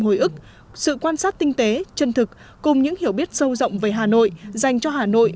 hồi ức sự quan sát tinh tế chân thực cùng những hiểu biết sâu rộng về hà nội dành cho hà nội